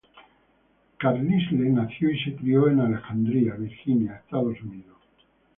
Carlisle nació y se crio en Alexandria, Virginia, Estados Unidos.